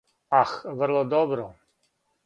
Ах, врло добро.